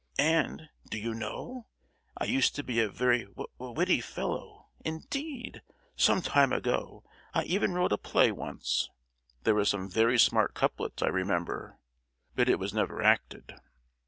And, do you know, I used to be a very wi—witty fellow indeed, some time ago. I even wrote a play once. There were some very smart couplets, I remember; but it was never acted."